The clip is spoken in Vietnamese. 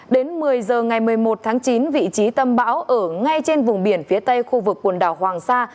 đến một mươi giờ ngày một mươi một tháng chín vị trí tâm bão ở ngay trên vùng biển phía tây khu vực quần đảo hoàng sa